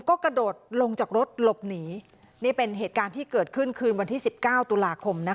ก็กระโดดลงจากรถหลบหนีนี่เป็นเหตุการณ์ที่เกิดขึ้นคืนวันที่สิบเก้าตุลาคมนะคะ